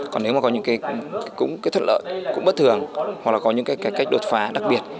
còn nếu có những thuật lợi cũng bất thường hoặc có những cách đột phá đặc biệt